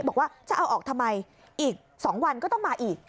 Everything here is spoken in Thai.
บอกว่าจะเอาออกทำไมอีก๒วันก็ต้องมาอีก